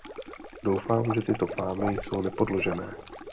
Doufám, že tyto fámy jsou nepodložené.